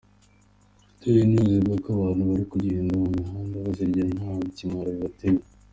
Thai news ivuga ko abantu bari kugenda mu mihanda bazirya nta kimwaro bibateye.